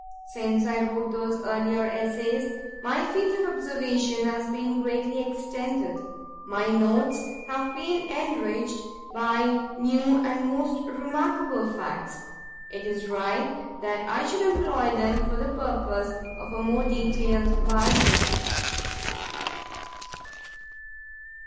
Since I wrote those earlier essays, my field of observation has been greatly extended. My notes have been enriched by new and most remarkable facts. It is right that I should employ them for the purpose of a more detailed biography.